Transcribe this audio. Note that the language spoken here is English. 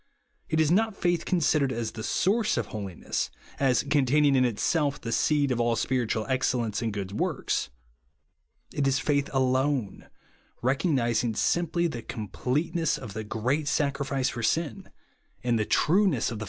It is not faith considered as the source of holiness, as containing in itself the seed of all spiritual excellence and good works ; it is faith alone, recosr nising simply tli s completeness of the great sacrifice for sin and the trueness of the BELIEVE AND EE SAVED.